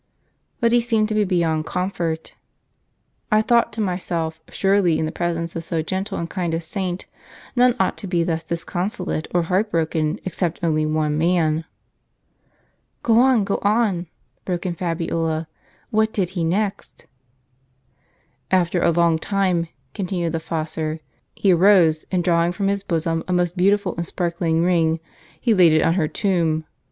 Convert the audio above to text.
'* But he seemed to be beyond comfort. I thought to myself, surely in the presence of so gentle and kind a saint, none ought to be thus disconsolate or heart broken, except only one man." "Go on, go on," broke in Fabiola; "what did he next?" "After a long time," continued the fossor, "he arose, and drawing from his bosom a most beautiful and sparkling ring, he laid it on her tomb.